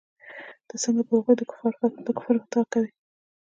ته څنگه پر هغوى د کفر فتوا کوې.